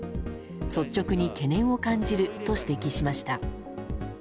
率直に懸念を感じると指摘しました。